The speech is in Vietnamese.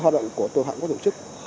hoạt động của tội phạm của tổ chức